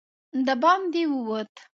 د باندې ووت.